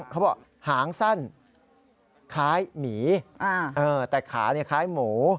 เขาบอกหางสั้นคล้ายหมีแต่ขาคล้ายหมู